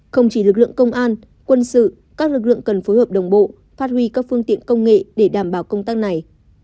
không chỉ lực lượng công an quân sự các lực lượng cần phối hợp đồng bộ phát huy các phương tiện công nghệ để đảm bảo công tác này